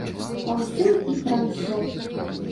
Паўсюль і пра ўсё.